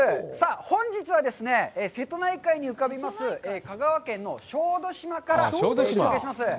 本日は、瀬戸内海に浮かびます香川県の小豆島から中継します。